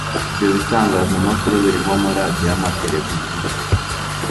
ibyo bitangazamakuru birimo amaradiyo amateleviziyo